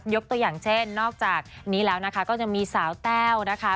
ตัวอย่างเช่นนอกจากนี้แล้วนะคะก็จะมีสาวแต้วนะคะ